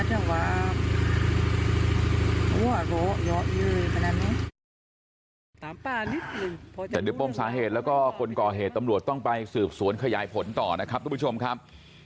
แต่เดี๋ยวป้มสาเหตุแล้วก็คนก่อเหตุตำรวจต้องไปสืบสวนขยายผลต่อนะครับทุกผู้ชมครับ